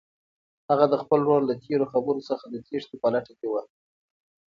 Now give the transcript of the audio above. هغه د خپل ورور له تېرو خبرو څخه د تېښتې په لټه کې وه.